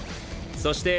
そして。